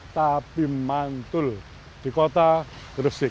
tapi mantul di kota gresik